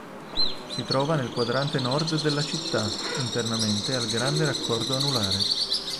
Si trova nel quadrante nord della città, internamente al Grande Raccordo Anulare.